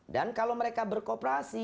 dan kalau mereka berkooperasi